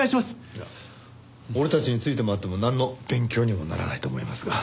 いや俺たちについて回ってもなんの勉強にもならないと思いますが。